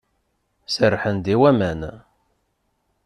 Serrḥen-d i waman.